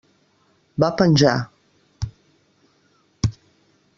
Va penjar.